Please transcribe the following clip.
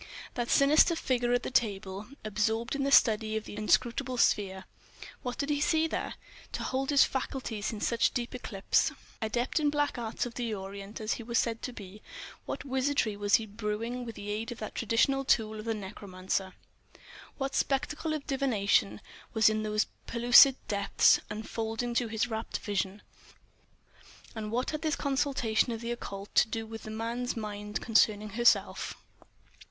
That sinister figure at the table, absorbed in study of the inscrutable sphere—what did he see there, to hold his faculties in such deep eclipse? Adept in black arts of the Orient as he was said to be, what wizardry was he brewing with the aid of that traditional tool of the necromancer? What spectacle of divination was in those pellucid depths unfolding to his rapt vision? And what had this consultation of the occult to do with the man's mind concerning herself?